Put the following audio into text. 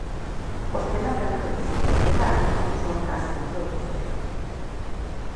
Os que nacen reis, en xeral, non son case mellores.